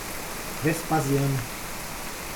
Vespasiano